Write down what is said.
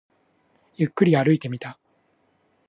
ゆっくり歩いてみた